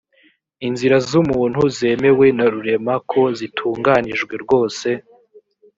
inzira z umuntu zemewe na rurema ko zitunganijwe rwose